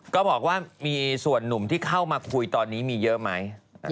ก็บอกว่ามีส่วนหนุ่มที่เข้ามาคุยตอนนี้มีเยอะไหม